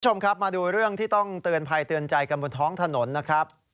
คุณผู้ชมครับมาดูเรื่องที่ต้องเตือนภัยเตือนใจกันบนท้องถนนนะครับ